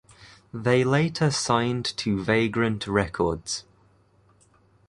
They later signed to Vagrant Records.